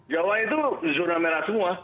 jawa itu zona merah semua